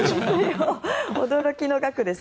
驚きの額です。